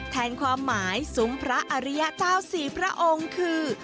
แทนความหมายสูงพระอริยเจ้าสี่พระองค์คือ